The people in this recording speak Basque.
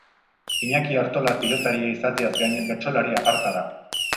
Iñaki Artola pilotaria izateaz gain, bertsolari aparta da.